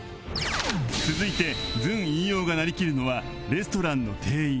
続いてずん飯尾がなりきるのはレストランの店員